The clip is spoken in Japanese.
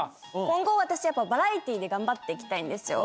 今後私バラエティーで頑張って行きたいんですよ。